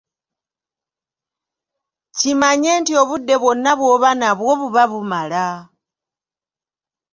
Kimanye nti obudde bwonna bw'oba nabwo buba bumala!